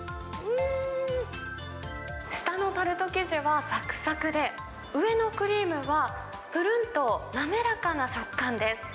下のタルト生地はさくさくで、上のクリームはぷるんと滑らかな食感です。